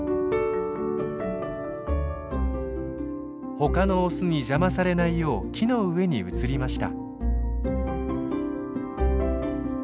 他のオスに邪魔されないよう木の上に移りました。